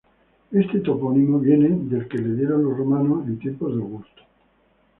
Este topónimo viene del que le dieron los romanos en tiempos de Augusto.